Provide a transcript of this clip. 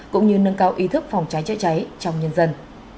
cũng như nâng cao ý thức phòng cháy chữa cháy trong nhân dân